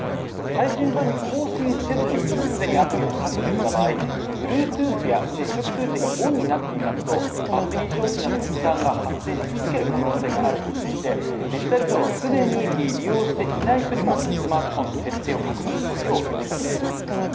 最新版に更新せずに既にアプリを削除した場合、Ｂｌｕｅｔｏｏｔｈや接触通知がＯＮになっていますとバッテリー消費などの負担が発生し続ける可能性があるとしていてデジタル庁は既に利用していない人にもスマートフォンの設定を確認するよう呼びかけています。